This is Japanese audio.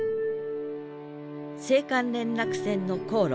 青函連絡船の航路